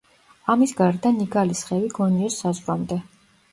ამის გარდა ნიგალის ხევი გონიოს საზღვრამდე.